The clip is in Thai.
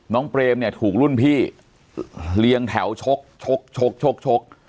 เปรมเนี่ยถูกรุ่นพี่เลี้ยงแถวชกชกชกชก